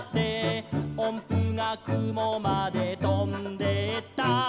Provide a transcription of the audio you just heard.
「おんぷがくもまでとんでった」